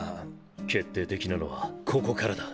決定的なのはここからだ。